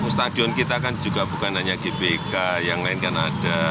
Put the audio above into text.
stadion kita kan juga bukan hanya gbk yang lain kan ada